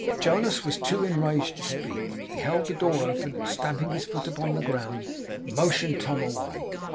Jonas was too enraged to speak. He held the door open; and stamping his foot upon the ground, motioned Tom away.